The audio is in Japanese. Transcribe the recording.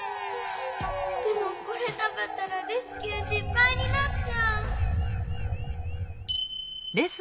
でもこれたべたらレスキューしっぱいになっちゃう！